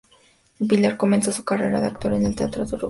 Vilar comenzó su carrera de actor en el teatro en Uruguay.